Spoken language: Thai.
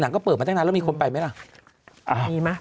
ก็เอาหนังเปิดมานานแล้วมีคนไปไหมล่ะมีมา